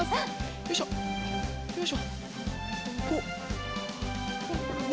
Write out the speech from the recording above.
よいしょよいしょおっ。